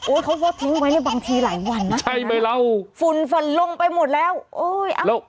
โอ๊ยเค้าพอทิ้งไว้บางทีหลายวันนะแบบนั้นนะฟุนฟันลงไปหมดแล้วโอ๊ยอ้าว